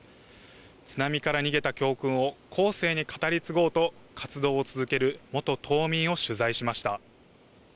津波から逃げた教訓を、後世に語り継ごうと活動を続ける元島民を取材しました。